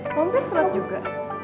rompes telat juga